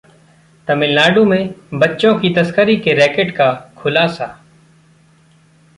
तमिलनाडु में बच्चों की तस्करी के रैकेट का खुलासा